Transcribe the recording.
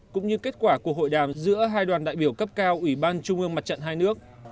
cũng như kết quả của hội đàm giữa hai đoàn đại biểu cấp cao ủy ban trung ương mặt trận hai nước